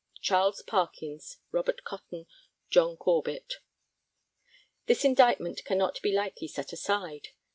CH. PARKINS. RO. COTTON. JOHN CORBETT. This indictment cannot be lightly set aside.